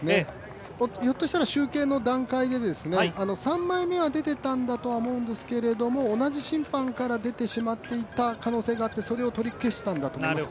ひょっとしたら集計の段階で３枚目は出ていたんだとは思うんですけれども、同じ審判から出てしまっていた可能性があってそれを取り消したんだと思います。